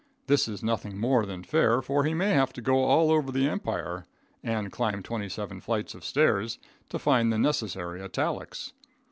This is nothing more than fair, for he may have to go all over the empire, and climb twenty seven flights of stairs to find the necessary italics.